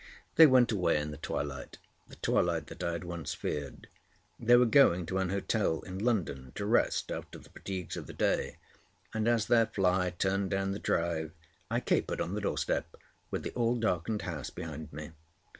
They went away in the twilight—the twilight that I had once feared. They were going to an hotel in London to rest after the fatigues of the day, and as their fly turned down the drive, I capered on the door step, with the all darkened house behind me.